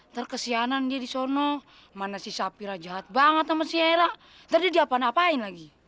terkesianan dia disono mana si sapira jahat banget sama si era terjadi apa apa in lagi